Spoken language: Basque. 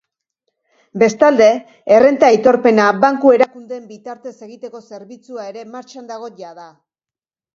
Bestalde, errenta aitorpena banku erakundeen bitartez egiteko zerbitzua ere martxan dago jada.